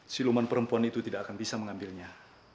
si luman perempuan itu tidak akan bisa mengambilnya